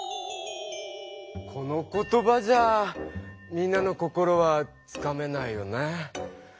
この言葉じゃみんなの心はつかめないよね。